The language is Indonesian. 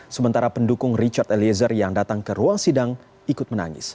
sementara pendukung richard eliezer yang datang ke ruang sidang ikut menangis